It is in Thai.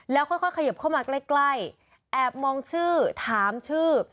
แล้วค่อยเขยิบเข้ามาใกล้แอบมองชื่อถามชื่อ